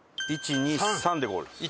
１２３でゴールです。